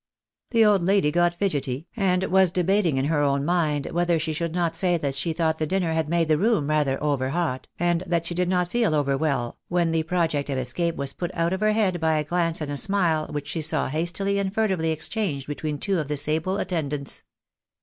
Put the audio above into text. The old lady got fidgety, and was debating in her own mind whether she should not say that she thought the dinner had made the room rather over hot, and that she did not feel over well, when the project of escape was put out of her head by a glance and a smile which she saw hastily and furtively ex changed between two of the sable attendants.